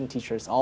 di seluruh dunia